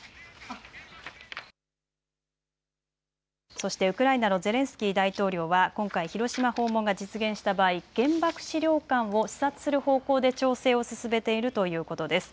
そしてウクライナのゼレンスキー大統領は今回、広島訪問が実現した場合、原爆資料館を視察する方向で調整を進めているということです。